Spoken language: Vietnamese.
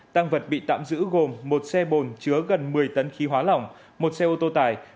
tăng vật bị tạm giữ gồm một xe bồn chứa gần một mươi tấn khí hóa lỏng một xe ô tô tải